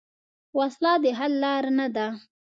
وسله د حل لار نه ده